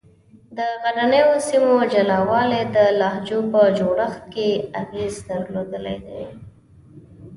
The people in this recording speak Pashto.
د غرنیو سیمو جلا والي د لهجو په جوړښت کې اغېز درلودلی دی.